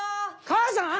・母さん！